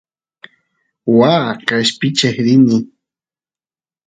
waa qeshpichiy rin